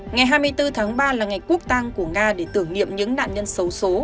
ngày hai mươi bốn tháng ba là ngày quốc tang của nga để tưởng niệm những nạn nhân xấu xố